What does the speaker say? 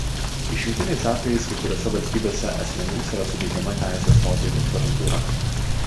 Išimtiniais atvejais kai kuriose valstybėse asmenims yra suteikiama teisė stoti į doktorantūrą.